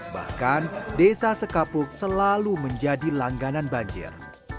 bahkan desa sekapuk selalu menjadi langganan banjir